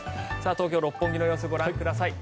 東京・六本木の様子ご覧ください。